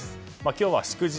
今日は祝日。